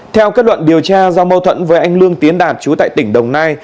theo kết luận điều tra do mâu thuẫn với anh lương tiến đạt chú tại tỉnh đồng nai